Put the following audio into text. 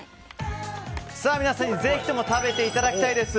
皆さんにぜひとも食べていただきたいです。